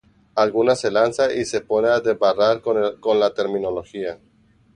alguna se lanza y se pone a desbarrar con la terminología